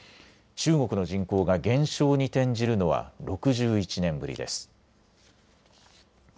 中国の人口が減少に転じるのは６１年ぶりです。